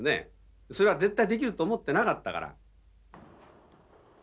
それは絶対できると思ってなかったから。